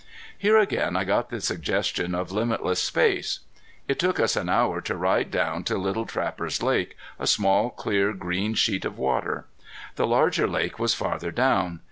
Here again I got the suggestion of limitless space. It took us an hour to ride down to Little Trappers Lake, a small clear green sheet of water. The larger lake was farther down.